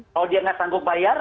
kalau dia nggak sanggup bayar